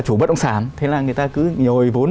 chủ bất động sản thế là người ta cứ nhồi vốn